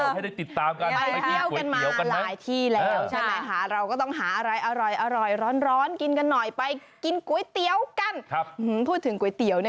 ไปดูให้ได้ติดตามกันไปกินก๋วยเตี๋ยวกันนะ